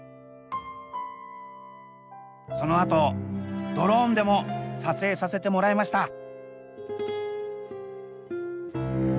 そのあとドローンでも撮影させてもらいました。